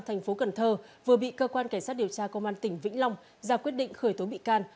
thành phố cần thơ vừa bị cơ quan cảnh sát điều tra công an tỉnh vĩnh long ra quyết định khởi tố bị can